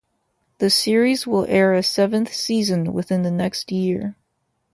The series will air a seventh season within the next year.